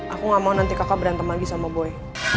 aku gak mau nanti kakak berantem lagi sama boe